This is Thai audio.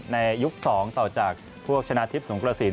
ในยุค๒ต่อจากพวกชนะทิพย์สงกระสิน